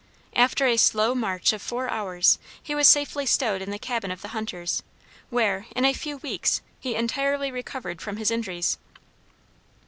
After a slow march of four hours, he was safely stowed in the cabin of the hunters, where, in a few weeks, he entirely recovered from his injuries.